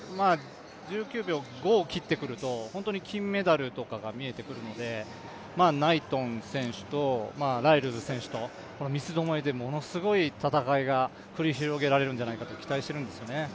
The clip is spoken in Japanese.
１９秒５を切ってくると金メダルとかが見えてくるのでナイトン選手と、ライルズ選手と三つどもえでものすごい戦いが繰り広げられるんじゃないかと期待してるんですよね。